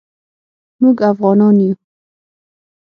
موږ افعانان یو